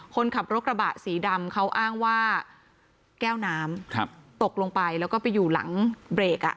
คนขับรถกระบะสีดำเขาอ้างว่าแก้วน้ำตกลงไปแล้วก็ไปอยู่หลังเบรกอ่ะ